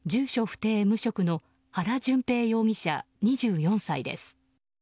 不定無職の原旬平容疑者、２４歳です。